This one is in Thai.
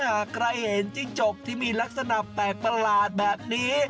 หากใครเห็นจิ้งจกที่มีลักษณะแปลกประหลาดแบบนี้